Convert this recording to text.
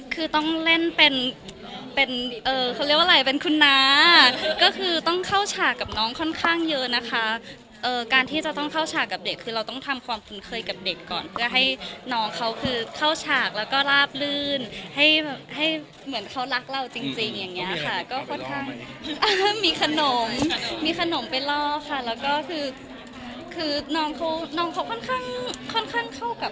คือต้องเล่นเป็นเป็นเขาเรียกว่าอะไรเป็นคุณน้าก็คือต้องเข้าฉากกับน้องค่อนข้างเยอะนะคะการที่จะต้องเข้าฉากกับเด็กคือเราต้องทำความคุ้นเคยกับเด็กก่อนเพื่อให้น้องเขาคือเข้าฉากแล้วก็ลาบลื่นให้แบบให้เหมือนเขารักเราจริงจริงอย่างเงี้ยค่ะก็ค่อนข้างมีขนมมีขนมไปล่อค่ะแล้วก็คือคือน้องเขาน้องเขาค่อนข้างค่อนข้างเข้ากับ